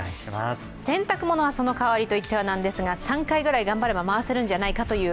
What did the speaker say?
洗濯物はその代わりといっては何ですが３回ぐらい、頑張れば回せるんじゃないかという。